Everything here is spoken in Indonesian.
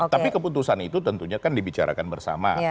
tapi keputusan itu tentunya kan dibicarakan bersama